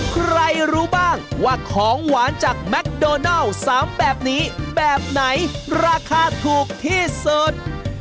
ใครรู้บ้างว่าของหวานจากแมคโดนัล๓แบบนี้แบบไหนราคาถูกที่สุด